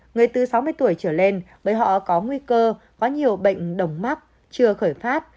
người từ sáu mươi tuổi trở lên bởi họ có nguy cơ có nhiều bệnh đồng mắc chưa khởi phát